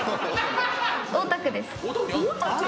大田区です。